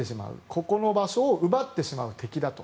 ここの場所を奪ってしまう敵だと。